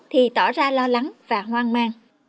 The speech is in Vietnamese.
thì tỏ ra lo lắng và hoang mang